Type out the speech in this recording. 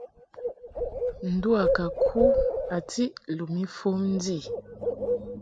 Ndu a ka ku a tiʼ lum ifom ndi.